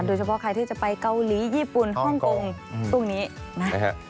โดยเฉพาะใครที่จะไปเกาหลีญี่ปุ่นฮ่องกงพรุ่งนี้นะฮะ